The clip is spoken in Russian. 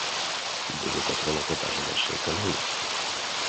Были затронуты даже наши экономики.